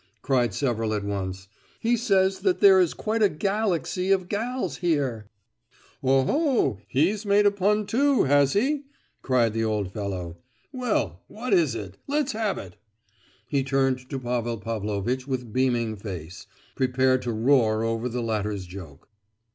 cried several at once: "he says that there is quite a 'galaxy of gals' here!" "Oho! he's made a pun too, has he?" cried the old fellow. "Well, what is it, let's have it!" He turned to Pavel Pavlovitch with beaming face, prepared to roar over the latter's joke.